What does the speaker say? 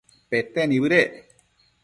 pete nibëdec